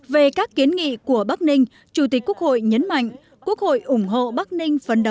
về các kiến nghị của bắc ninh chủ tịch quốc hội nhấn mạnh quốc hội ủng hộ bắc ninh phấn đấu